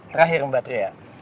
terakhir mbak tria